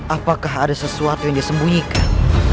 apakah ada sesuatu yang disembunyikan